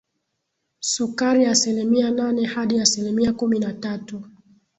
sukari asilimia nane hadi asilimia kumi na tatu